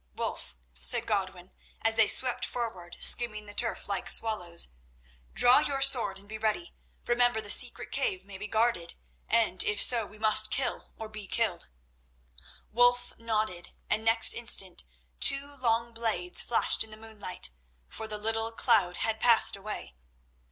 "Wulf," said Godwin, as they swept forward, skimming the turf like swallows, "draw your sword and be ready. Remember the secret cave may be guarded, and, if so, we must kill or be killed." Wulf nodded, and next instant two long blades flashed in the moonlight, for the little cloud had passed away.